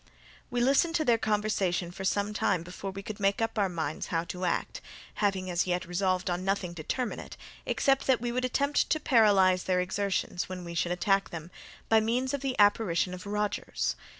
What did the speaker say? We listened to their conversation for some time before we could make up our minds how to act, having as yet resolved on nothing determinate, except that we would attempt to paralyze their exertions, when we should attack them, by means of the apparition of Rogers.